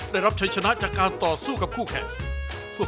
ได้รับชัยชนะจากการต่อสู้กับคู่แข่ง